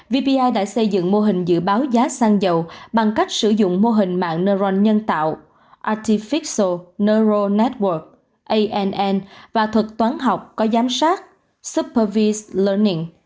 vpi đã xây dựng mô hình dự báo giá xăng dầu bằng cách sử dụng mô hình mạng neuron nhân tạo artificial neural network và thuật toán học có giám sát supervised learning